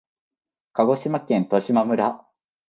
鹿児島県十島村